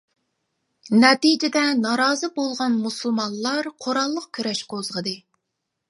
نەتىجىدە نارازى بولغان مۇسۇلمانلار قوراللىق كۈرەش قوزغىدى.